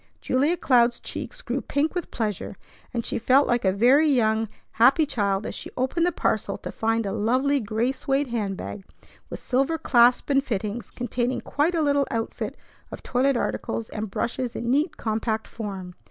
Julia Cloud's cheeks grew pink with pleasure, and she felt like a very young, happy child as she opened the parcel to find a lovely gray suède hand bag with silver clasp and fittings, containing quite a little outfit of toilet articles and brushes in neat, compact form.